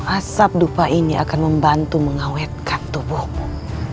asap dupa ini akan membantu mengawetkan tubuhmu